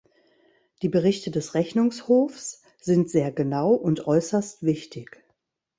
Die Berichte des Rechnungshofs sind sehr genau und äußerst wichtig.